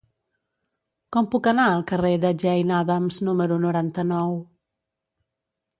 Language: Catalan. Com puc anar al carrer de Jane Addams número noranta-nou?